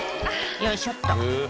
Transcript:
「よいしょっと！